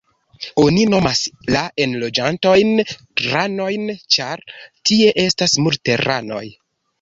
Oni nomas la enloĝantojn ranojn ĉar tie estas multe ranoj.